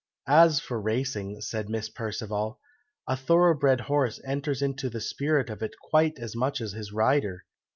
"As for racing," said Miss Perceval, "a thorough bred horse enters into the spirit of it quite as much as his rider.